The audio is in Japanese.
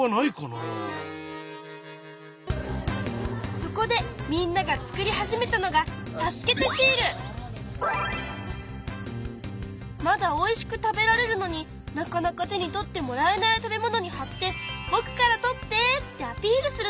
そこでみんなが作り始めたのがまだおいしく食べられるのになかなか手に取ってもらえない食べ物にはって「ぼくから取って」ってアピールするの。